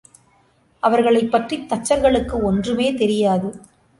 அவர்களைப் பற்றித் தச்சர்களுக்கு ஒன்றுமே தெரியாது.